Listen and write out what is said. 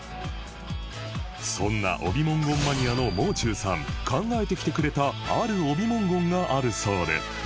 そんな帯文言マニアのもう中さん考えてきてくれたある帯文言があるそうで